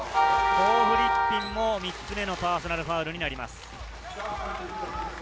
コー・フリッピンも３つ目のパーソナルファウルになります。